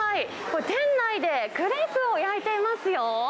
これ、店内でクレープを焼いていますよ。